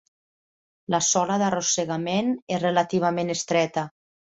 La sola d'arrossegament és relativament estreta.